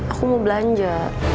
aku mau belanja